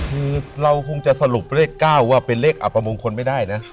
คือเราคงจะสรุปเลข๙ว่าเป็นเลขอับประมงคลไม่ได้นะ